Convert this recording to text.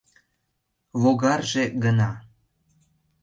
Логарже гына...